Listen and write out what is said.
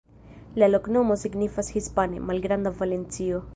La loknomo signifas hispane: malgranda Valencio.